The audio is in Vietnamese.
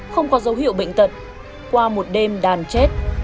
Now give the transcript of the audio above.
không có dấu hiệu bệnh tật qua một đêm đàn chết